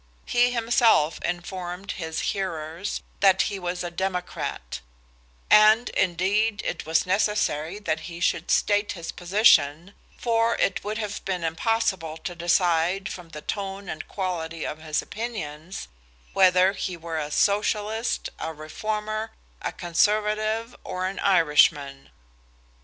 He himself informed his hearers that he was a Democrat; and, indeed, it was necessary that he should state his position, for it would have been impossible to decide from the tone and quality of his opinions whether he were a socialist, a reformer, a conservative, or an Irishman.